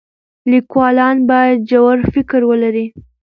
لیکوالان باید ژور فکر ولري.